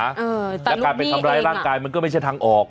เออแต่ลูกหนี้เองและการเป็นทำร้ายร่างกายมันก็ไม่ใช่ทางออก